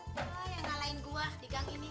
yang nyalahin gua di gang ini